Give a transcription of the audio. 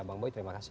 bang boy terima kasih